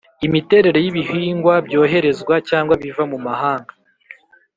Imiterere y ibihingwa byoherezwa cyangwa biva mu mahanga